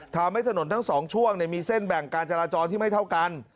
ทำให้ถนนทั้งสองช่วงมีเส้นแบ่งการจราจรที่ไม่เท่ากัน